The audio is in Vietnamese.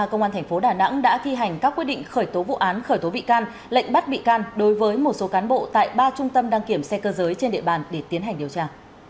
công an tp đà nẵng đã thi hành các quyết định khởi tố vụ án khởi tố bị can lệnh bắt bị can đối với một số cán bộ tại ba trung tâm đăng kiểm xe cơ giới trên địa bàn để tiến hành điều tra